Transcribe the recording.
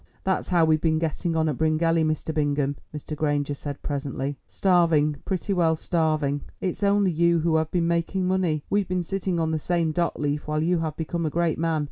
"That's how we've been getting on at Bryngelly, Mr. Bingham," Mr. Granger said presently, "starving, pretty well starving. It's only you who have been making money; we've been sitting on the same dock leaf while you have become a great man.